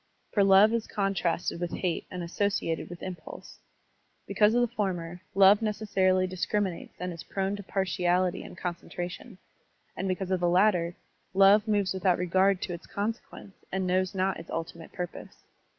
For love is contrasted with hate and associated with impulse. Because of the former, love necessarily discriminates and is prone to partiality and con centration ; and because of the latter, love moves without regard to its consequence and knows not its ultimate purpose.